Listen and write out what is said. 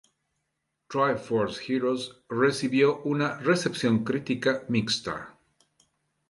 Tri Force Heroes recibió una recepción crítica mixta.